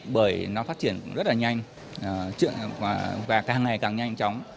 bởi nó phát triển rất là nhanh và càng ngày càng nhanh chóng